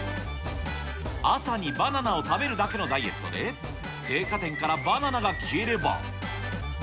朝にバナナを食べるだけのダイエットで、青果店からバナナが消えれば。